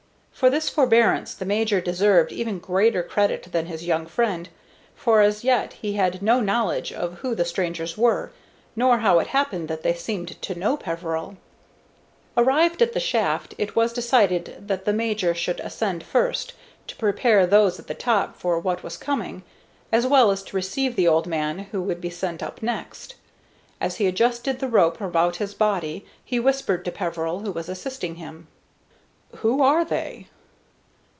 For this forbearance the major deserved even greater credit than his young friend; for as yet he had no knowledge of who the strangers were, nor how it happened that they seemed to know Peveril. [Illustration: RESCUED FROM THE SHAFT] Arrived at the shaft, it was decided that the major should ascend first, to prepare those at the top for what was coming, as well as to receive the old man, who would be sent up next. As he adjusted the rope about his body, he whispered to Peveril, who was assisting him: "Who are they?"